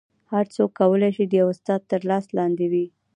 هر څوک کولی شي د یو استاد تر لاس لاندې وي